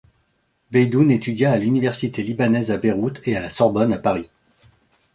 Beydoun étudia à l’Université Libanaise à Beyrouth et à la Sorbonne à Paris.